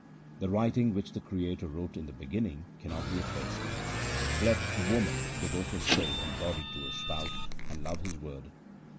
The writing which the Creator wrote in the beginning cannot be effaced. Let woman devote her soul and body to her Spouse and love His word.